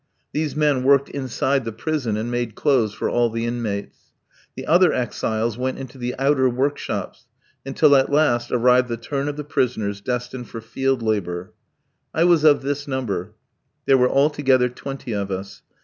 These men worked inside the prison, and made clothes for all the inmates. The other exiles went into the outer workshops, until at last arrived the turn of the prisoners destined for field labour. I was of this number there were altogether twenty of us.